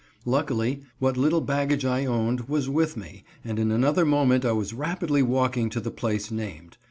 Luckily what little baggage I owned was with me, and in another moment I was rapidly walking to the place named.